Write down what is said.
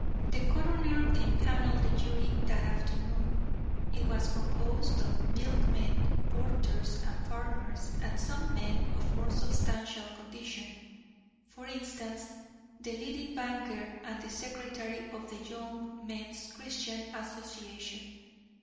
The coroner empanelled the jury that afternoon. It was composed of milkmen, porters and farmers, and some men of more substantial condition; for instance, the leading banker and the secretary of the Young Men's Christian Association.